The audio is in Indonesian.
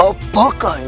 apakah nyari rompeng